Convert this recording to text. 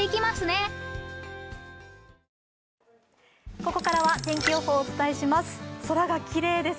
ここからは天気予報をお伝えします。